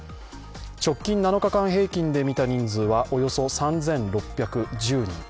直近７日間平均で見た人数はおよそ３６１０人。